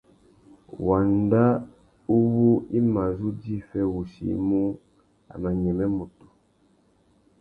Wanda uwú i mà zu djï fê wussi i mú, a mà nyême mutu.